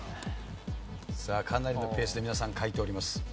さあかなりのペースで皆さん書いております。